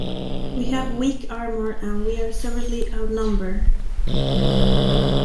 We have weak armor and we're severely outnumbered.